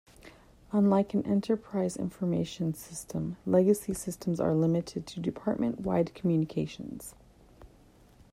Unlike an enterprise information system, legacy systems are limited to department wide communications.